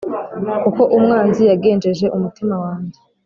Kuko umwanzi yagenjeje umutima wanjye